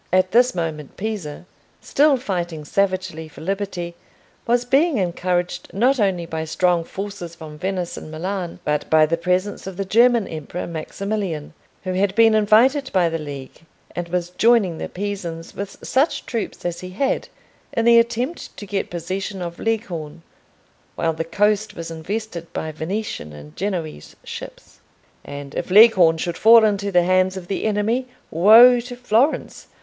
At this moment Pisa, still fighting savagely for liberty, was being encouraged not only by strong forces from Venice and Milan, but by the presence of the German Emperor Maximilian, who had been invited by the League, and was joining the Pisans with such troops as he had in the attempt to get possession of Leghorn, while the coast was invested by Venetian and Genoese ships. And if Leghorn should fall into the hands of the enemy, woe to Florence!